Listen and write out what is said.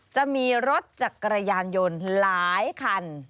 จะมีรถจักรยานยนต์หลายคัน